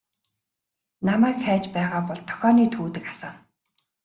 Намайг хайж байгаа бол дохионы түүдэг асаана.